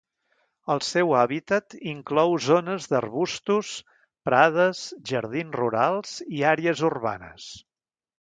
El seu hàbitat inclou zones d'arbustos, prades, jardins rurals i àrees urbanes.